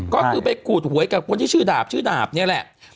ก็คือไปกูดหวยกับคนที่ชื่อดาบชื่อดาบนี่แหละ